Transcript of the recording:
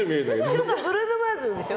ちょっとブルーノ・マーズでしょ。